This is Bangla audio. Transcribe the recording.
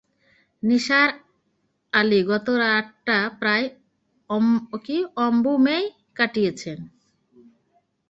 নিসার আলি গত রাতটা প্রায় অম্বুমেই কাটিয়েছেন।